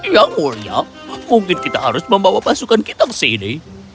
yang mulia mungkin kita harus membawa pasukan kita ke sini